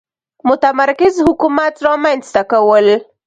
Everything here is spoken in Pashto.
متمرکز حکومت رامنځته کول.